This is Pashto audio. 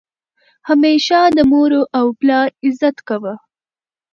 همیشه د مور او پلار عزت کوه!